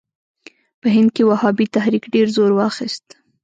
په هند کې وهابي تحریک ډېر زور واخیست.